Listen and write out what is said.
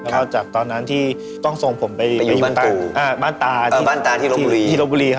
แล้วจากตอนนั้นที่ต้องส่งผมไปอยู่บ้านตาที่โรบุรี